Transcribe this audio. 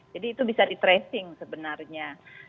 jadi itu bisa di tracing sebenarnya